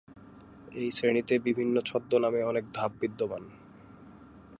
এই শ্রেণীতে বিভিন্ন ছদ্ম নামে অনেক ধাপ বিদ্যমান।